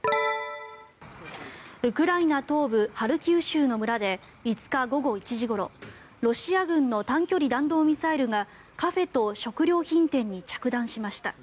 ウクライナ東部ハルキウ州の村で５日午後１時ごろロシア軍の単距離弾道ミサイルがカフェと食料品店に着弾しました。